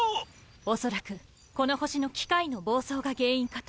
おそらくこの星の機械の暴走が原因かと。